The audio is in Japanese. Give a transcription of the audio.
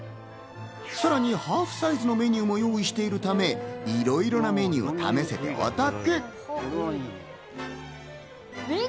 さらにハーフサイズのメニューも用意しているため、いろいろなメニューを試せてお得。